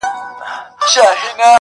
• چي ناڅاپه زرکي جګه کړله غاړه -